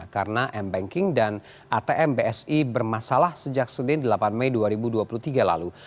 karena mbanking dan atm bsi bermasalah sejak senin delapan mei dua ribu dua puluh tiga lalu